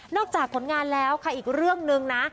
จากผลงานแล้วค่ะอีกเรื่องนึงนะ